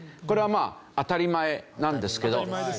これはまあ当たり前なんですけど。